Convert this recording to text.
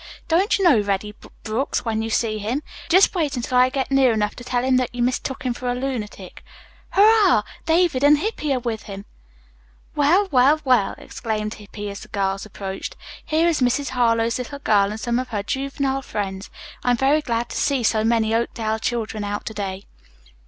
"Don't you know Reddy Brooks when you see him? Just wait until I get near enough to tell him that you mistook him for a lunatic. Hurrah! David and Hippy are with him." "Well, well, well!" exclaimed Hippy as the girls approached. "Here is Mrs. Harlowe's little girl and some of her juvenile friends. I'm very glad to see so many Oakdale children out to day."